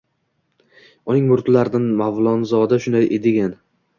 Uning muridlaridan Mavlonzoda shunday degan.